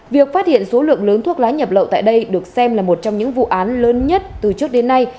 việc phát hiện số lượng lớn thuốc lá nhập lậu tại đây được xem là một trong những vụ án lớn nhất từ trước đến nay